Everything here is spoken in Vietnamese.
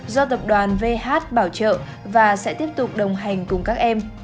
do tập đoàn vh bảo trợ và sẽ tiếp tục đồng hành cùng các em